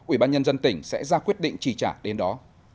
ủy ban nhân dân tỉnh sẽ ra quyết định chi trả đến đó